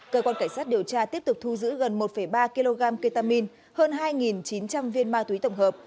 cơ quan cảnh sát điều tra tiếp tục thu giữ gần một ba kg ketamine hơn hai chín trăm linh viên ma túy tổng hợp